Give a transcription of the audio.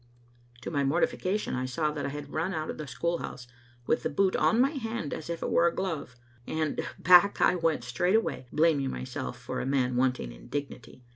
To my mortification I saw that I had run out of the school house with the boot on my hand as if it were a glove, and back I went straightway, blaming myself for a man wanting in dignity.